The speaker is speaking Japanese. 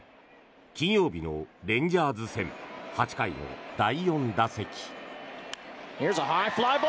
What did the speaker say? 金曜日のレンジャーズ戦８回の第４打席。